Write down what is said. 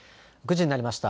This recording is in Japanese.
９時になりました。